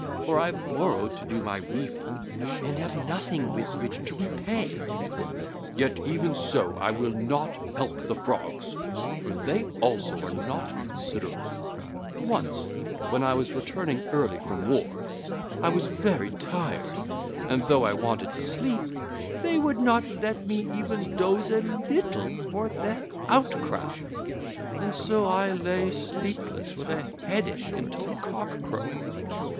For I borrowed to do my weaving, and have nothing with which to repay. Yet even so I will not help the Frogs; for they also are not considerable: once, when I was returning early from war, I was very tired, and though I wanted to sleep, they would not let me even doze a little for their outcry; and so I lay sleepless with a headache until cock crow.